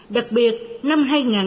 đặc biệt năm hai nghìn hai mươi